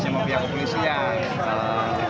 sama pihak kepolisian